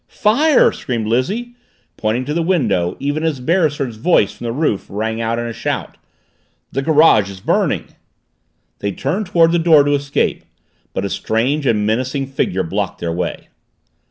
"Fire!" screamed Lizzie, pointing to the window, even as Beresford's voice from the roof rang out in a shout. "The garage is burning!" They turned toward the door to escape, but a strange and menacing figure blocked their way.